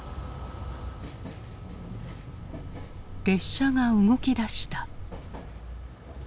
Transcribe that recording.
列車が動きだした。